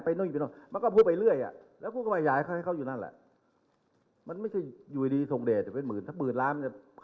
ซึ่งยังไงก็เป็นไปไม่ได้ที่จะถึงหมื่นล้าน